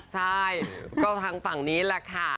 ใช่ก็ทางฝั่งนี้แหละค่ะ